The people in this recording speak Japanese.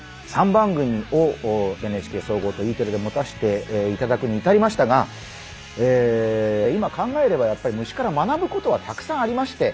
３番組をＮＨＫ総合とＥテレで持たせていただくに至りましたが今考えればやっぱり虫から学ぶことはたくさんありまして